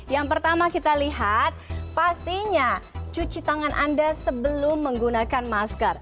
yang pertama kita lihat pastinya cuci tangan anda sebelum menggunakan masker